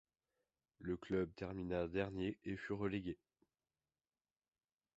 Le club termina dernier et fut relégué.